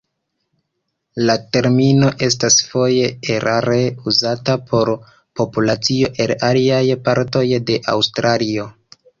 La termino estas foje erare uzata por populacioj el aliaj partoj de Aŭstralio.